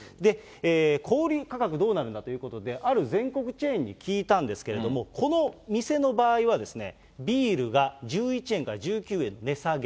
で、小売り価格どうなるんだということで、ある全国チェーンに聞いたんですけども、この店の場合はですね、ビールが１１円から１９円値下げ。